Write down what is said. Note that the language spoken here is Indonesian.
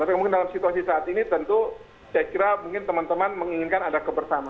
tapi mungkin dalam situasi saat ini tentu saya kira mungkin teman teman menginginkan ada kebersamaan